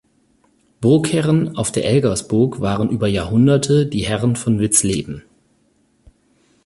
Burgherren auf der Elgersburg waren über Jahrhunderte die Herren von Witzleben.